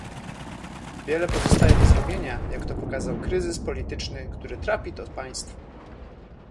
Wiele pozostaje do zrobienia, jak to pokazał kryzys polityczny, który trapi to państwo